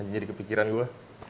jadi kepikiran gue